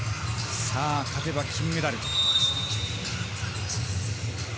勝てば金メダル。